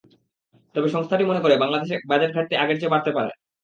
তবে সংস্থাটি মনে করে, বাংলাদেশে বাজেট ঘাটতি আগের চেয়ে বাড়তে পারে।